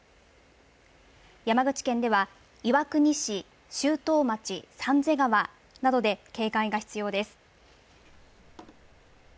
山口県では、岩国市周東町三瀬川などで警戒が必要です。